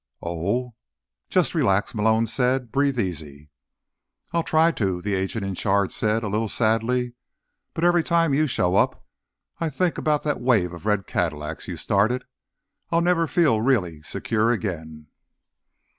"Oh?" "Just relax," Malone said. "Breathe easy." "I'll try to," the agent in charge said, a little sadly. "But every time you show up, I think about that wave of red Cadillacs you started. I'll never feel really secure again."